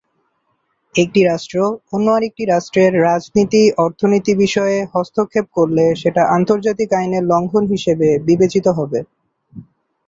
একটি রাষ্ট্র অন্য আরেকটি রাষ্ট্রের রাজনীতি, অর্থনীতি বিষয়ে হস্তক্ষেপ করলে সেটা আন্তর্জাতিক আইনের লঙ্ঘন হিসেবে বিবেচিত হবে।